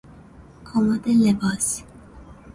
کمد لباس